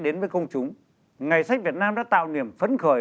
đến với công chúng ngày sách việt nam đã tạo niềm phấn khởi